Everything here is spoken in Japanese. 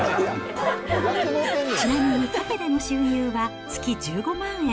ちなみにカフェでの収入は、月１５万円。